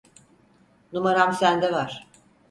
Numaram sende var.